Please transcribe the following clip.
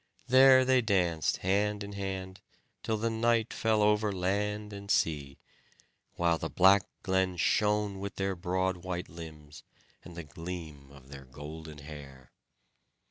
There they danced hand in hand, till the night fell over land and sea, while the black glen shone with their broad white limbs, and the gleam of their golden hair.